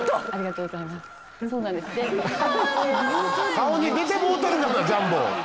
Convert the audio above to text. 顔に出てもうてるがなジャンボ。